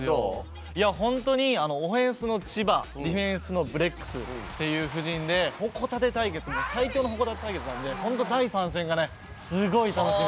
本当にオフェンスの千葉ディフェンスのブレックスっていう布陣で最強の矛盾対決なんで本当、第３戦がすごい楽しみ。